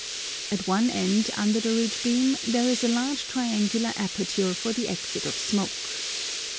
At one end under the ridge beam there is a large triangular aperture for the exit of smoke.